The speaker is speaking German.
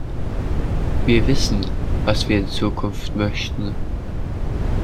Wir wissen, was wir in Zukunft möchten.